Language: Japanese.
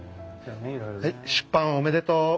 はい出版おめでとう。